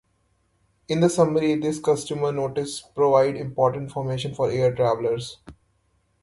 In summary, this customer notice provides important information for air travelers.